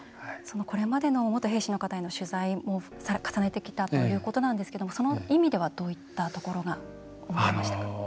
これまでの元兵士の方への取材も重ねてきたということなんですけどもその意味ではどういったところがありましたか？